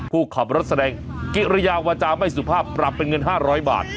ผู้ขับรถแสดงกิริยาวาจาไม่สุภาพปรับเป็นเงิน๕๐๐บาท